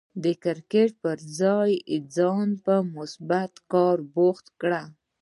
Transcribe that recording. د کرکټ پر ځای ځان په مثبت کار بوخت کړئ.